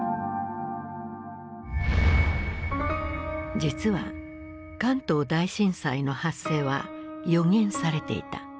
実は関東大震災の発生は予言されていた。